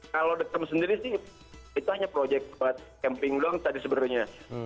kalau the camp sendiri sih itu hanya proyek buat camping doang tadi sebenarnya